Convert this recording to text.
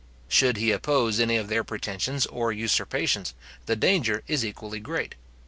Should he oppose any of their pretensions or usurpations, the danger is equally great.